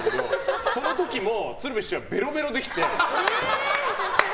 その時も鶴瓶師匠はベロベロできて。